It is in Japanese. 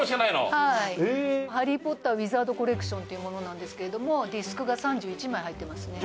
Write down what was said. はい「ハリー・ポッターウィザード・コレクション」というものなんですけれどもディスクが３１枚入ってますね